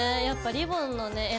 やっぱリボンのね